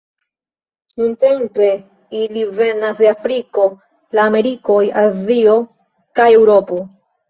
Nuntempe ili venas de Afriko, la Amerikoj, Azio kaj Eŭropo.